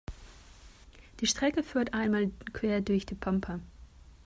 Die Strecke führt einmal quer durch die Pampa.